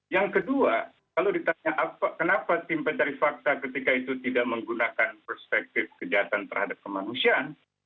yang kedua kalau ditanya kenapa tim pencari fakta ketika itu tidak menggunakan perspektif kejahatan terhadap kemanusiaan